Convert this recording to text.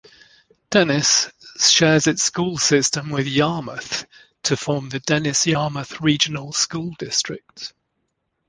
Dennis shares its school system with Yarmouth to form the Dennis-Yarmouth Regional School District.